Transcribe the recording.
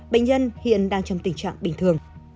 bệnh nhân hiện đang trong tình trạng bình thường